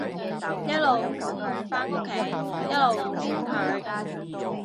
一路扶佢返屋企，一路串佢